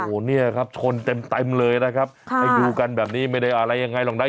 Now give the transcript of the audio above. โอ้โหเนี่ยครับชนเต็มเลยนะครับให้ดูกันแบบนี้ไม่ได้อะไรยังไงหรอกนะ